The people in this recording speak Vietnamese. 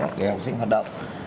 để học sinh hoạt động